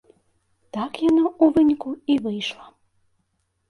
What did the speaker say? Так яно, у выніку, і выйшла.